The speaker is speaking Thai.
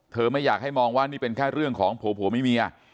ไม่อยากให้มองว่านี่เป็นแค่เรื่องของผัวมีเมีย